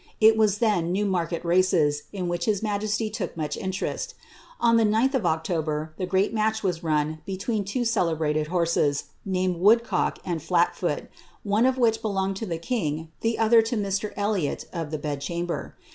It wu then Newmarket races, in which his majesty took much iiiieresL On the 9th of October, the great match was run between two celebrated horses, named Woodcock and Flatfoot, one of which belonged to th^ king, the otiier to Mr. Elliot of the bed chamber.